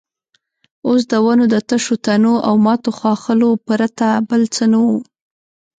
اوس د ونو د تشو تنو او ماتو ښاخلو پرته بل څه نه وو.